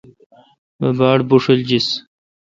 بہ باڑ بھوݭل جس۔